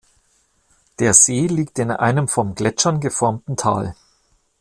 Der See liegt in einem von Gletschern geformten Tal.